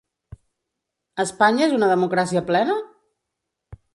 Espanya és una democràcia plena?